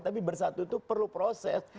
tapi bersatu itu perlu proses